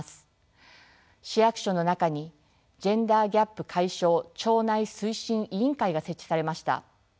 市役所の中にジェンダーギャップ解消庁内推進委員会が設置されました。